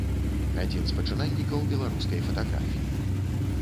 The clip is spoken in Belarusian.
Адзін з пачынальнікаў беларускай фатаграфіі.